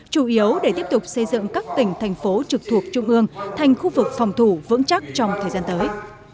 chủ yếu để tiếp tục xây dựng các tỉnh thành phố trực thuộc trung ương thành khu vực phòng thủ vững chắc trong thời gian tới